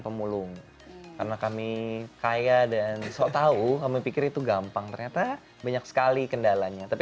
pemulung karena kami kaya dan sok tahu kami pikir itu gampang ternyata banyak sekali kendalanya tapi